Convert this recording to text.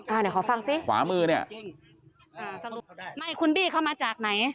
อ่าเดี๋ยวขอฟังสิขวามือเนี่ยอ่าสรุปไม่คุณบี้เข้ามาจากไหน